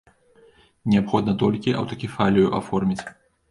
Неабходна толькі аўтакефалію аформіць.